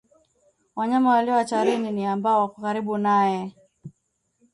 Wanyama walio hatarini ni ambao wako karibu naye